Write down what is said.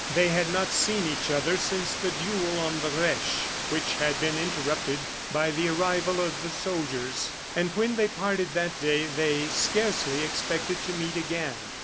They had not seen each other since the duel on the Reche, which had been interrupted by the arrival of the soldiers; and when they parted that day they scarcely expected to meet again.